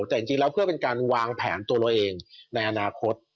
แต่จริงแล้วเพื่อเป็นการวางแผนตัวเราเองในอนาคต